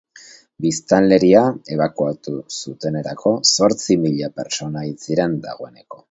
Biztanleria ebakuatu zutenerako zortzi mila pertsona hil ziren dagoeneko.